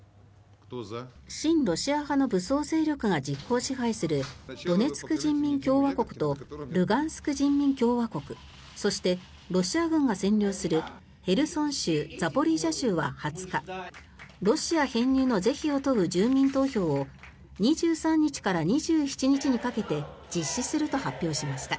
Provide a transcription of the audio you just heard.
親ロシア派の武装勢力が実効支配するドネツク人民共和国とルガンスク人民共和国そしてロシア軍が占領するヘルソン州、ザポリージャ州は２０日ロシア編入の是非を問う住民投票を２３日から２７日にかけて実施すると発表しました。